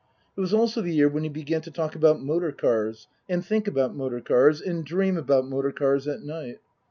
It was also the year when he began to talk about motor cars and fcnk about motor cars and dream about motor cars at night.